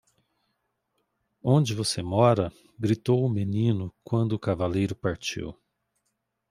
"Onde você mora?" Gritou o menino? quando o cavaleiro partiu.